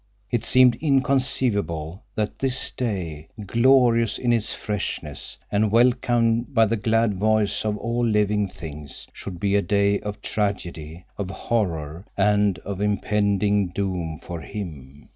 It seemed inconceivable that this day, glorious in its freshness, and welcomed by the glad voice of all living things, should be a day of tragedy, of horror, and of impending doom for him.